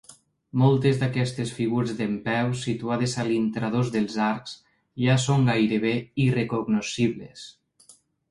Moltes d'aquestes figures dempeus situades a l'intradós dels arcs ja són gairebé irrecognoscibles.